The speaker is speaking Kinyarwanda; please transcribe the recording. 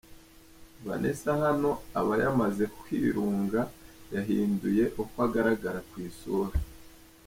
Vanessa hano aba yamaze kwirunga yahinduye uko agaragara ku isura.